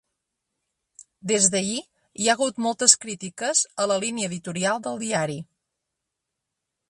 Des d’ahir hi ha hagut moltes crítiques a la línia editorial del diari.